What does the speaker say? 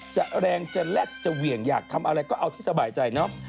แรงจะแลดจะเหวี่ยงอยากทำอะไรก็เอาที่สบายใจเนาะ